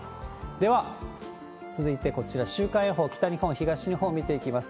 では、続いてこちら、週間予報、北日本、東日本見ていきます。